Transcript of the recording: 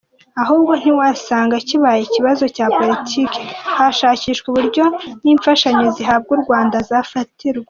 Ahubwo ntiwasanga kibaye ikibazo cya Politike hashakishwa uburyo ni imfashanyo zihabwa Urwanda zafatirwa.